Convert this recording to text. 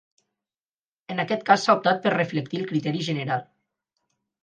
En aquest cas s'ha optat per reflectir el criteri general.